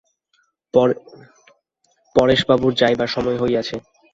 পরেশবাবুর যাইবার সময় হইয়াছে।